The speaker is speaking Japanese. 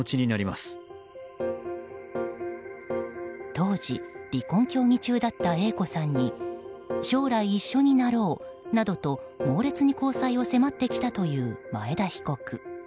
当時、離婚協議中だったＡ子さんに将来一緒になろうなどと猛烈に交際を迫ってきたという前田被告。